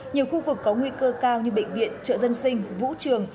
nhiều khu vực có nguy cơ cao như bệnh viện chợ dân sinh vũ trường